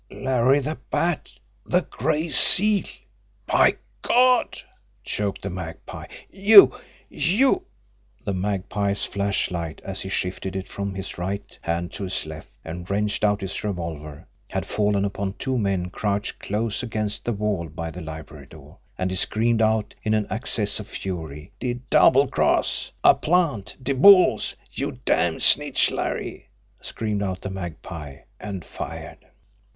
"Larry the Bat! The Gray Seal! By God!" choked the Magpie. "You you " The Magpie's flashlight, as he shifted it from his right hand to his left and wrenched out his revolver, had fallen upon two men crouched close against the wall by the library door and he screamed out in an access of fury. "De double cross! A plant! De bulls! You damned snitch, Larry!" screamed out the Magpie and fired.